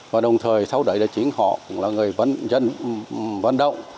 và đồng thời sau đấy chính họ cũng là người dân văn động